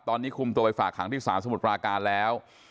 ตอนนี้คุมตัวไปฝากหางที่ศาลสมุทรปราการแล้ว